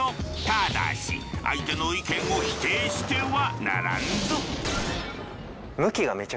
ただし相手の意見を否定してはならんぞ。